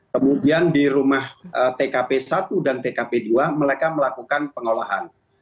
kemudian di rumah tkp satu dan tkp dua mereka melakukan pengolahan